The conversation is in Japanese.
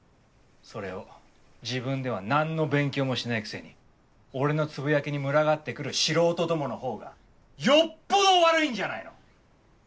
それを自分では何の勉強もしないくせに俺のつぶやきに群がってくる素人どもの方がよっぽど悪いんじゃないの？